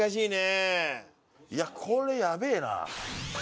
いやこれやべえな。